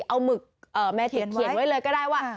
เอาหมึกแมทิกเขียนไว้เลยก็ได้ว่า